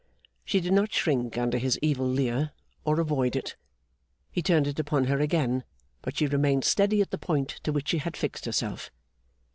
She did not shrink under his evil leer, or avoid it. He turned it upon her again, but she remained steady at the point to which she had fixed herself.